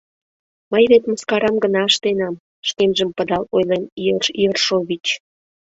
— Мый вет мыскарам гына ыштенам, — шкенжым пыдал ойлен Ерш Ершович.